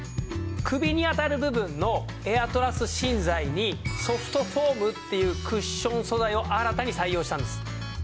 首にあたる部分のエアトラス芯材にソフトフォームっていうクッション素材を新たに採用したんです。